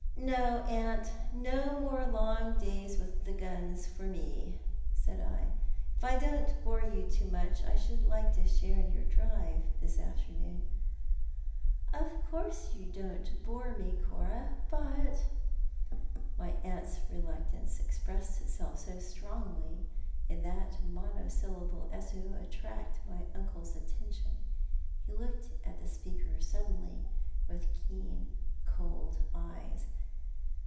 " No, aunt, no more long days with the guns for me," said I. " If I don't bore you too much I should like to share your drive this afternoon." " Of course you don't bore me, Cora, but " My aunt's reluctance exiDressed itself so strongly in that monosyllable as to attract my uncle's attention. He looked at the speaker suddenly, with keen, cold eyes.